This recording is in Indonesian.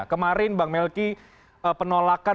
kemarin bang melki penolakan